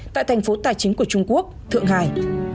tại thành phố tài chính của trung quốc thượng hải